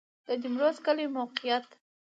د نیمروز کلی موقعیت